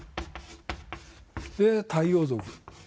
で「太陽族」。